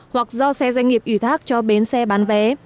hoặc do xe doanh nghiệp ủy thác cho bến xe bán vé